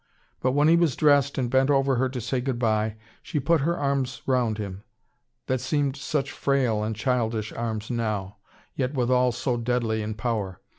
But when he was dressed, and bent over her to say goodbye, she put her arms round him, that seemed such frail and childish arms now, yet withal so deadly in power.